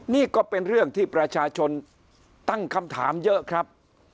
นี่ก็เป็นเรื่องที่ประชาชนตั้งคำถามเยอะครับ